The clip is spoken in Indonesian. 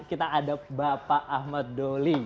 kita ada bapak ahmad doli